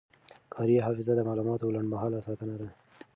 کاري حافظه د معلوماتو لنډمهاله ساتنه ده.